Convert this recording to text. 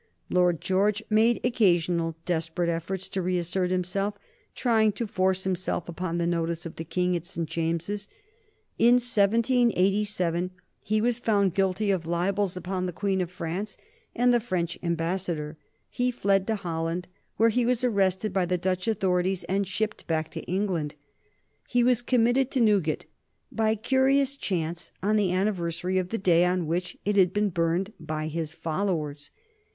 Lord George made occasional desperate efforts to reassert himself, trying to force himself upon the notice of the King at St. James's. In 1787 he was found guilty of libels upon the Queen of France and the French Ambassador. He fled to Holland, where he was arrested by the Dutch authorities, and shipped back to England. He was committed to Newgate, by curious chance, on the anniversary of the day on which it had been burned by his followers.